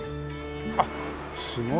あっすごいな。